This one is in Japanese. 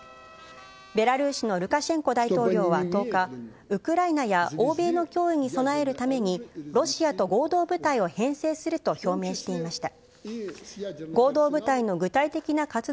ベラルーシのルカシェンコ大統領は１０日、ウクライナや欧米の脅威に備えるためにロシアと合同部隊を編成すると表明していました。